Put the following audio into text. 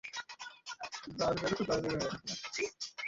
ও মহলের পিছে লাগছে।